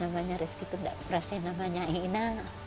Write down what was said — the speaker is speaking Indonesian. namanya reski itu tidak merasakan namanya ina